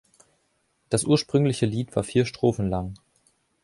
Das ursprüngliche Lied war vier Strophen lang.